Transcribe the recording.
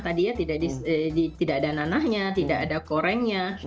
tadi ya tidak ada nanahnya tidak ada korengnya